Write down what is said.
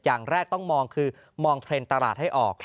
อย่างแรกต้องมองคือมองเทรนด์ตลาดให้ออก